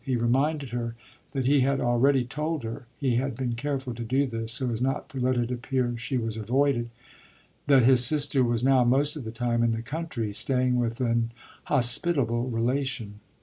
He reminded her that he had already told her he had been careful to do this, so as not to let it appear she was avoided that his sister was now most of the time in the country, staying with an hospitable relation.